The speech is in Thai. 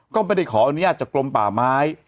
ก็ไม่ได้ขออนุญาตจากกลมป่าไม้